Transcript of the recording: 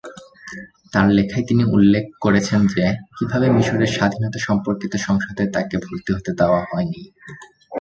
তার লেখায় তিনি উল্লেখ করেছেন যে কীভাবে মিশরের স্বাধীনতা সম্পর্কিত সংসদে তাকে ভর্তি হতে দেওয়া হয়নি।